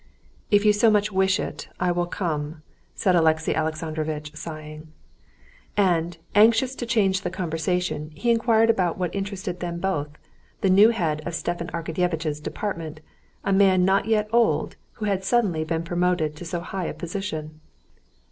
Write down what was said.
"If you so much wish it, I will come," said Alexey Alexandrovitch, sighing. And, anxious to change the conversation, he inquired about what interested them both—the new head of Stepan Arkadyevitch's department, a man not yet old, who had suddenly been promoted to so high a position.